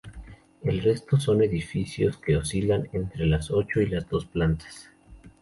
El resto son edificios que oscilan entre las ocho y las dos plantas.